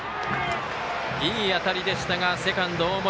いい当たりでしたがセカンド大森。